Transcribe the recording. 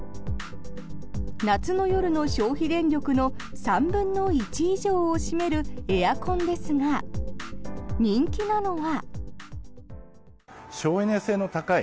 夏の夜の消費電力の３分の１以上を占めるエアコンですが人気なのは。